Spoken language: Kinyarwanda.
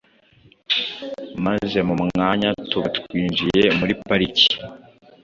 maze mu mwanya tuba twinjiye muri Pariki.